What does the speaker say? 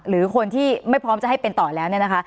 หรือคนที่ไม่พร้อมจะให้เป็นต่อแล้วเนี่ยนะคะ